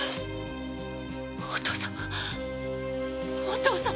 お父様！